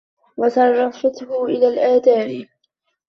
وَصَرَفْته فِي الْآثَامِ